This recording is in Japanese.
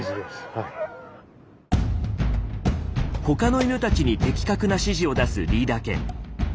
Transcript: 他の犬たちに的確な指示を出すリーダー犬。